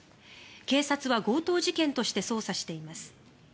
警察は強盗事件として捜査しています。